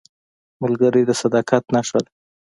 ملګری د صداقت نښه ده